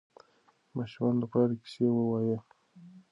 د ماشومانو لپاره کیسې ووایئ.